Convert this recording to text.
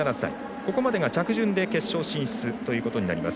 ここまでが着順で決勝進出となります。